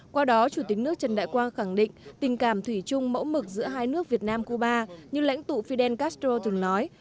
qua đó chủ tịch nước trần đại quang khẳng định tình cảm thủy chung mẫu mực giữa hai nước việt nam cuba như lãnh tụ fidel castro từng nói